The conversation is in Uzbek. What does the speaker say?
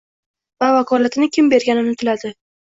va vakolatni kim bergani unutiladi.